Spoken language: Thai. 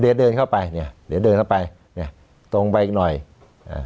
เดี๋ยวเดินเข้าไปเนี้ยเดี๋ยวเดินเข้าไปเนี้ยตรงไปอีกหน่อยอ่า